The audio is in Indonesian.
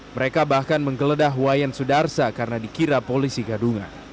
mereka bahkan menggeledah wayan sudarsa karena dikira polisi gadungan